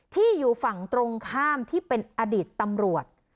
ที่อยู่ฝั่งตรงข้ามที่เป็นอดีตตำรวจ